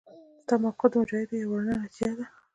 ستا موقف د مجاهدو یوه رڼه نتیجه ده.